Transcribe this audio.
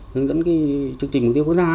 hướng dẫn cái chương trình mục tiêu của gia